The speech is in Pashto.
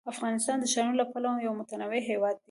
افغانستان د ښارونو له پلوه یو متنوع هېواد دی.